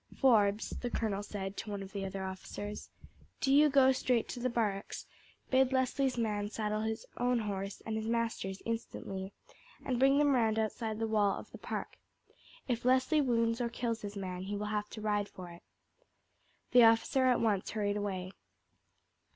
"Forbes," the colonel said to one of the other officers, "do you go straight to the barracks, bid Leslie's man saddle his own horse and his master's instantly, and bring them round outside the wall of the park. If Leslie wounds or kills his man he will have to ride for it." The officer at once hurried away.